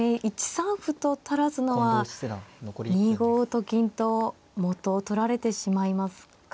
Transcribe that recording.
１三歩と垂らすのは２五と金と元を取られてしまいますか。